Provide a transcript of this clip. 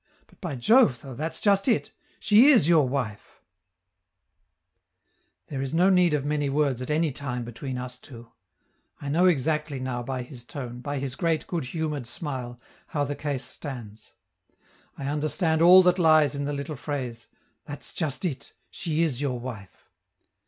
But, by Jove, though, that's just it; she is your wife." There is no need of many words at any time between us two; I know exactly now, by his tone, by his great good humored smile, how the case stands; I understand all that lies in the little phrase: "That's just it, she is your wife."